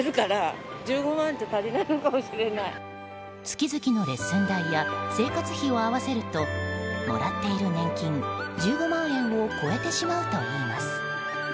月々のレッスン代や生活費を合わせるともらっている年金１５万円を超えてしまうといいます。